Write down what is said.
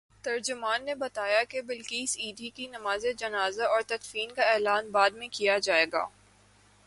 ترجمان نے بتایا کہ بلقیس ایدھی کی نمازجنازہ اورتدفین کا اعلان بعد میں کیا جائے گا۔